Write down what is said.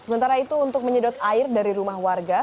sementara itu untuk menyedot air dari rumah warga